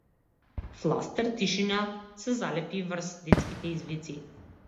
Фластер тишина се залепи врз детските извици.